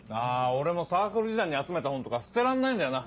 俺もサークル時代に集めた本とか捨てらんないんだよな。